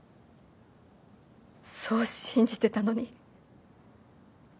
そう信じてたのに。